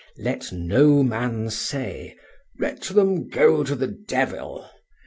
Let no man say, "Let them go to the devil!"